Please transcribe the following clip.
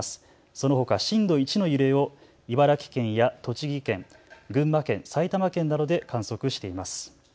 そのほか震度１の揺れを茨城県や栃木県、群馬県、埼玉県などで観測しています。